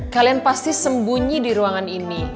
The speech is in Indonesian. kalian pasti sembunyi di ruangan ini